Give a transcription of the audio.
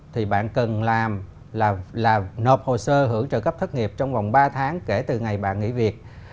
thì bạn cần làm là nộp hồ sơ hưởng trợ cấp thất nghiệp trong vòng ba tháng kể từ ngày bạn nghỉ việc